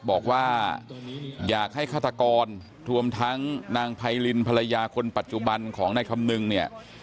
บอกว่าอยากให้ฆาตกรรวมทั้งนางไพรินภรรยาคนปัจจุบันของนายคำนึงเนี่ย